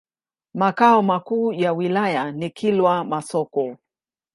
Makao makuu ya wilaya ni Kilwa Masoko.